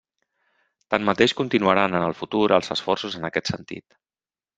Tanmateix continuaran, en el futur, els esforços en aquest sentit.